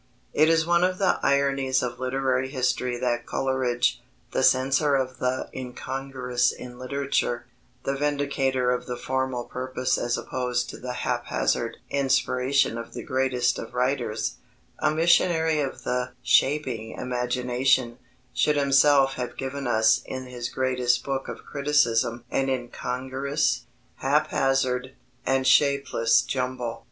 It is one of the ironies of literary history that Coleridge, the censor of the incongruous in literature, the vindicator of the formal purpose as opposed to the haphazard inspiration of the greatest of writers, a missionary of the "shaping imagination," should himself have given us in his greatest book of criticism an incongruous, haphazard, and shapeless jumble.